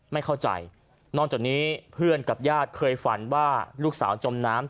ไม่เข้าใจนอกจากนี้เพื่อนกับญาติเคยฝันว่าลูกสาวจมน้ำ